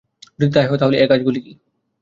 যদি তাই হয়, তাহলে এ গাছগুলি কি?